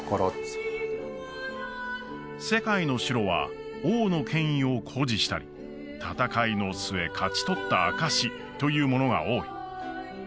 世界の城は王の権威を誇示したり戦いの末勝ち取った証しというものが多い